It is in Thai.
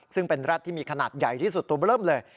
ซึ่งเป็นแร็ดที่มีขนาดใหญ่ที่สุดตัวเริ่มเลย